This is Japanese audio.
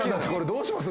どうします？